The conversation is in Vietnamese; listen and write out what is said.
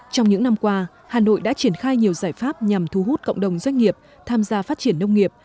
trong những năm qua hà nội đã triển khai nhiều giải pháp nhằm thu hút cộng đồng doanh nghiệp tham gia phát triển nông nghiệp